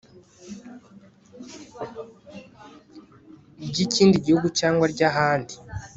ry ikindi gihugu cyangwa ry ahandi